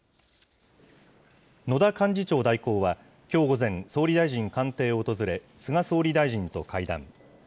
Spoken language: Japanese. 野田幹事長代行はきょう午前、総理大臣官邸を訪れ、菅総理大臣と会談。